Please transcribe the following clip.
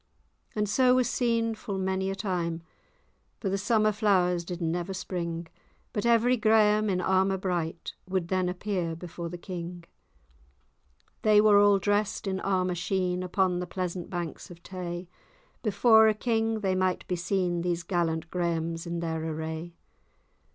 And so was seen full many a time; For the summer flowers did never spring, But every Graham, in armour bright, Would then appear before the king. They were all drest in armour sheen, Upon the pleasant banks of Tay; Before a king they might be seen, These gallant Grahams in their array.